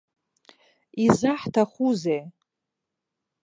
Изаҳҭахузеи?